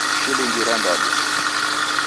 Shilingi irandadu